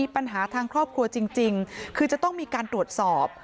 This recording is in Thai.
ปัญหาทางครอบครัวจริงคือจะต้องมีการตรวจสอบ